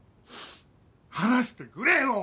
話してくれよ！